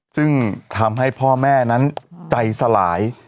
ซึ่งทำให้พ่อแม่นั้นใจสลาย